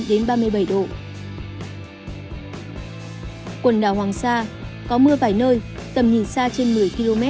quần đảo hoàng sa có mưa vài nơi tầm nhìn xa trên một mươi km